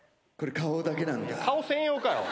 顔専用かよ。